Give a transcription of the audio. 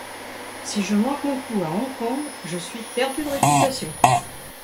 Si je manque mon coup à Hong-Kong, je suis perdu de réputation!